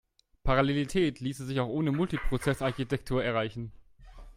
Parallelität ließe sich auch ohne Multiprozess-Architektur erreichen.